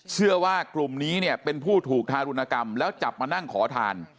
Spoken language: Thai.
เชื่อว่ากลุ่มนี้เนี่ยเป็นผู้ถูกทารุณกรรมแล้วจับมานั่งขอทาน